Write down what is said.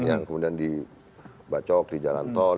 yang kemudian di bacok di jalan tol